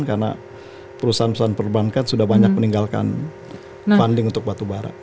karena perusahaan perusahaan perbankan sudah banyak meninggalkan funding untuk batubara